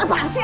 apaan sih ya